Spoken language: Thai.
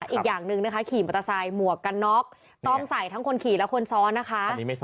อีกอย่างหนึ่งนะคะขี่มอเตอร์ไซค์หมวกกันน็อกต้องใส่ทั้งคนขี่และคนซ้อนนะคะ